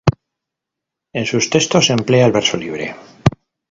En sus textos emplea el verso libre.